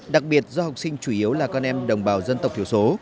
đặc biệt do học sinh chủ yếu là con em đồng bào dân tộc thiểu số